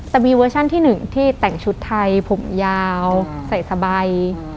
จะมีเวอร์ชันที่หนึ่งที่แต่งชุดไทยผมยาวใส่สบาย